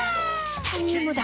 チタニウムだ！